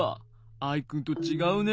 アイくんとちがうね。